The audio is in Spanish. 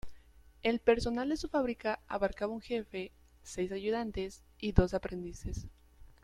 El personal de su fabrica abarcaba un jefe, seis ayudantes y dos aprendices.